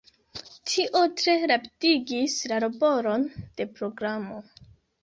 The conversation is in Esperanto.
Tio tre rapidigis la laboron de programo.